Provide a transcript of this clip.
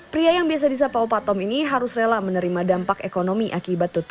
pria yang biasa disapa opatom ini harus rela menerima dampak ekonomi akibat tutupnya box